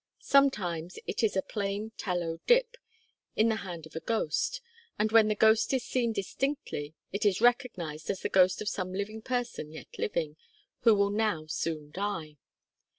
Sometimes it is a plain tallow 'dip' in the hand of a ghost, and when the ghost is seen distinctly it is recognised as the ghost of some person yet living, who will now soon die.